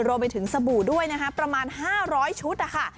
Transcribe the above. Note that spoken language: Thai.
รวมไปถึงสบู่ด้วยนะคะประมาณ๕๐๐ชุดนะคะ